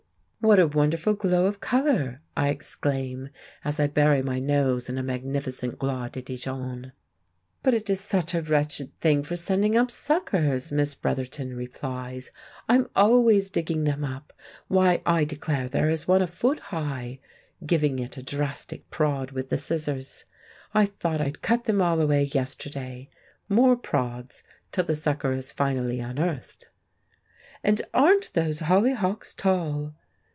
"What a wonderful glow of colour!" I exclaim, as I bury my nose in a magnificent Gloire de Dijon. "But it is such a wretched thing for sending up suckers," Miss Bretherton replies. "I'm always digging them up. Why, I declare there is one a foot high," giving it a drastic prod with the scissors. "I thought I'd cut them all away yesterday"; more prods till the sucker is finally unearthed. "And aren't those hollyhocks tall!"